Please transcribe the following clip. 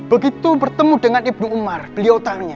begitu bertemu dengan ibu umar beliau tanya